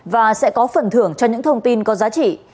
và sẽ có phần thưởng cho những thông tin có giá trị